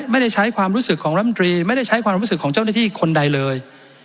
ไม่ได้ใช้ความรู้สึกของรัฐมนตรีไม่ได้ใช้ความรู้สึกของเจ้าหน้าที่คนใดเลย